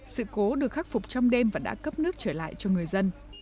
sự cố được khắc phục trong đêm và đã cấp nước trở lại cho người dân